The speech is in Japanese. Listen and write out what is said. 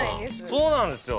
そうなんですよ。